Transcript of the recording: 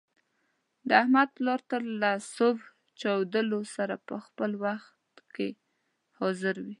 د احمد پلار تل له صبح چودېدلو سره په خپل کار کې حاضر وي.